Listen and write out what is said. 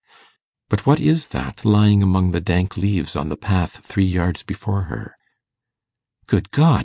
But what is that lying among the dank leaves on the path three yards before her? Good God!